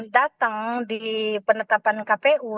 datang di penetapan kpu